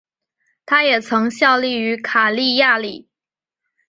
他也曾效力于卡利亚里。